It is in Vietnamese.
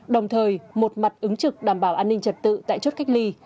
đồng thời một mặt ứng trực đảm bảo an ninh trật tự tại chốt cách ly